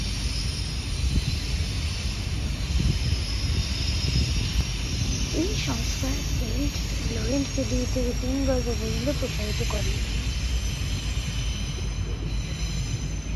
এই সংস্কার সেন্ট লরেন্টকে দুই থেকে তিন গল্প পর্যন্ত প্রসারিত করে।